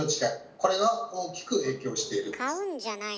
これが大きく影響しているんです。